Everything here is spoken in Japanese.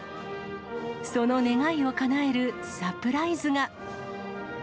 その願いをかなえるサプライズが。